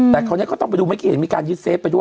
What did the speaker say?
แบบนี้นะครับ